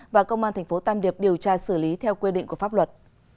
và công an tp tam điệp điều tra xử lý theo quy định của pháp luật